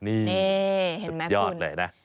นี่สุดยอดเลยนะ